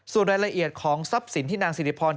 ส่วนรายละเอียดของทรัพย์สินที่นางสิริพร